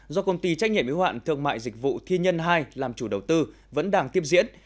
do công ty trách nhiệm yếu hạn thương mại dịch vụ thiên nhân hai làm chủ đầu tư vẫn đang tiếp diễn